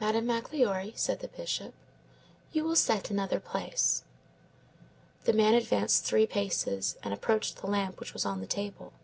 "Madame Magloire," said the Bishop, "you will set another place." The man advanced three paces, and approached the lamp which was on the table.